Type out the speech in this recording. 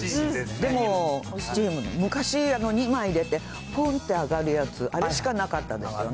でも、スチーム、昔、２枚入れてぽんって上がるやつ、あれしかなかったんですよね。